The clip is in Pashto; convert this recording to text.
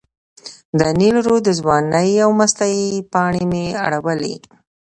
د نیل رود د ځوانۍ او مستۍ پاڼې مې اړولې.